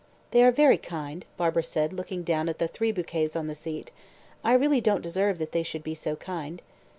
"They are very kind," Barbara said, looking down at the three bouquets on the seat. "I really don't deserve that they should be so kind."